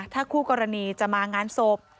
ถ้าคู่กรณีจะมางานศพ